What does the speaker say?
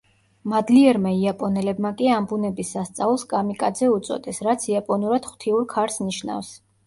მადლიერმა იაპონელებმა კი ამ ბუნების სასწაულს „კამიკაძე“ უწოდეს, რაც იაპონურად „ღვთიურ ქარს“ ნიშნავს.